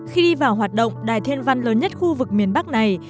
khi đi vào hoạt động đài thiên văn lớn nhất khu vực miền bắc này